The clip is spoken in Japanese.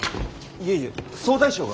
いえいえ総大将が。